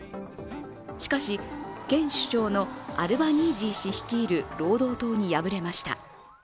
しかし現首相のアルバニージー氏率いる労働党に敗れました。